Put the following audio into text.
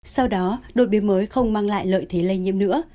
sau đó đột biến mới không mang lại lợi thế lây nhiễm nữa